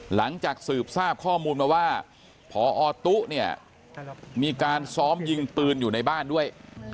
หลังจากสืบทราบข้อมูลมาว่าพอตุ๊เนี่ยมีการซ้อมยิงปืนอยู่ในบ้านด้วย